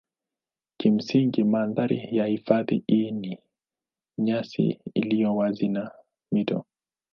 Kimsingi mandhari ya hifadhi hii ni nyasi iliyo wazi na mito.